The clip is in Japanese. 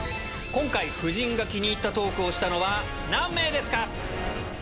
今回夫人が気に入ったトークをしたのは何名ですか？